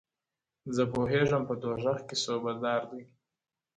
زه پوهېږم په دوږخ کي صوبه دار دئ،